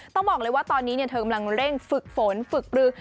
ต้องบอกเลยว่าตอนนี้เธอกำลังเร่งฝึกฝนฝึกปลือ